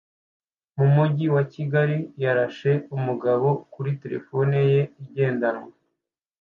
Mu mujyi rwagati yarashe umugabo kuri terefone ye igendanwa